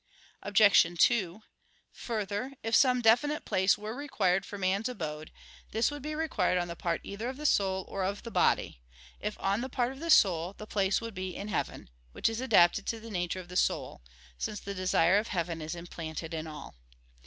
Obj. 2: Further, if some definite place were required for man's abode, this would be required on the part either of the soul or of the body. If on the part of the soul, the place would be in heaven, which is adapted to the nature of the soul; since the desire of heaven is implanted in all.